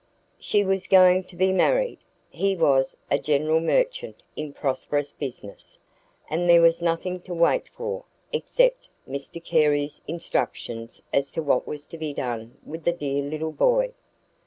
She was going to be married. He was a "general merchant" in prosperous business, and there was nothing to wait for except Mr Carey's instructions as to what was to be done with the dear little boy.